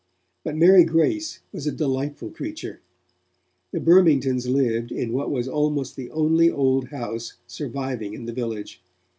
But Mary Grace was a delightful creature. The Burmingtons lived in what was almost the only old house surviving in the village.